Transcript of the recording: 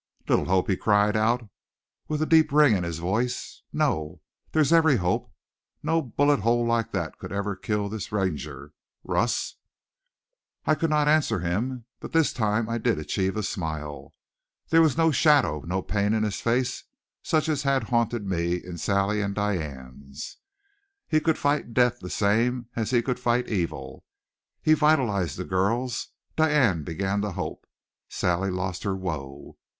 "Little hope?" he cried out, with the deep ring in his voice. "No! There's every hope. No bullet hole like that could ever kill this Ranger. Russ!" I could not answer him. But this time I did achieve a smile. There was no shadow, no pain in his face such as had haunted me in Sally's and Diane's. He could fight death the same as he could fight evil. He vitalized the girls. Diane began to hope; Sally lost her woe.